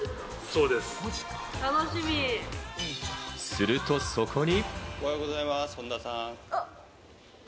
すると、そこに。